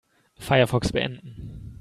Firefox beenden.